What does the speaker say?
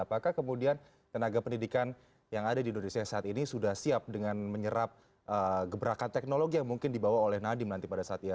apakah kemudian tenaga pendidikan yang ada di indonesia saat ini sudah siap dengan menyerap gebrakan teknologi yang mungkin dibawa oleh nadiem nanti pada saat ia